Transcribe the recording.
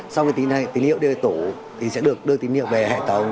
sau khi tỉ niệm đưa về tổ thì sẽ được đưa tỉ niệm về hệ tổng